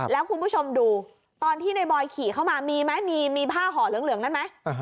แล้วคุณผู้ชมดูตอนที่ในบอยขี่เข้ามามีไหมมีผ้าห่อเหลืองนั้นไหม